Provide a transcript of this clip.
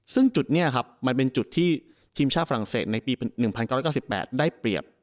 ซึ่งจุดนี้ครับมันเป็นจุดที่ทีมชาติฝรั่งเศสในปี๑๙๙๘ได้เปรียบ